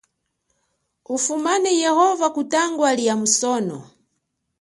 Ufumane yehova kutangwa lia musono.